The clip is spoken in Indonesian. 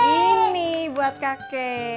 ini buat kakek